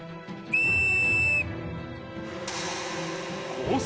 コース